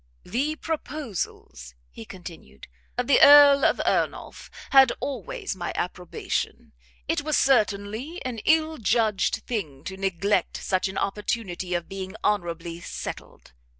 "The proposals," he continued, "of the Earl of Ernolf had always my approbation; it was certainly an ill judged thing to neglect such an opportunity of being honourably settled.